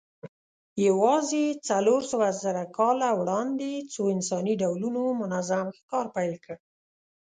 یواځې څلورسوهزره کاله وړاندې څو انساني ډولونو منظم ښکار پیل کړ.